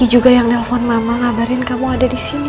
juga yang nelfon mama ngabarin kamu ada di sini